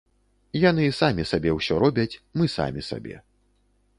Яны самі сабе ўсё робяць, мы самі сабе.